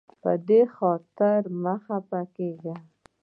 په دې خاطر مه خفه کیږه.